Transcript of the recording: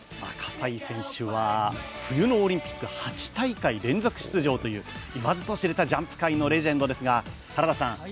葛西選手は、冬のオリンピック８大会連続出場といういわずと知れたジャンプ界のレジェンドですが、原田さん